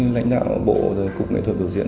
lãnh đạo bộ cục nghệ thuật biểu diễn